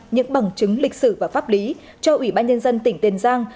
những bằng chứng lịch sử và pháp lý cho ủy ban nhân dân tỉnh tiền giang